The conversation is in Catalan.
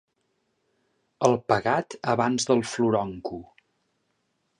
El pegat abans del floronco.